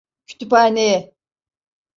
Kütüphaneye.